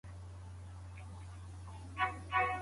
زاڼي په دوبي کي نه راځي.